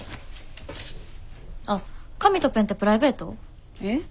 あっ紙とペンってプライベート？え？